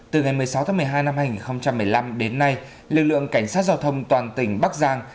từ ngày một mươi sáu tháng một mươi hai năm hai nghìn một mươi năm đến nay lực lượng cảnh sát giao thông toàn tỉnh bắc giang